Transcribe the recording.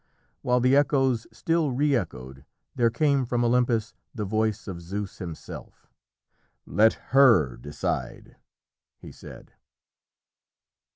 While the echoes still re echoed, there came from Olympus the voice of Zeus himself. "Let her decide!" he said.